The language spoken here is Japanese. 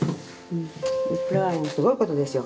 これはもうすごいことですよ。